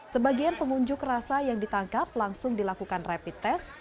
sebagian pengunjuk rasa yang ditangkap langsung dilakukan rapid test